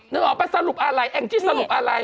นึกออกไปสรุปอะไรอย่างจิ๊ดสรุปอะไร